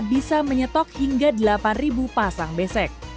bisa menyetok hingga delapan pasang besek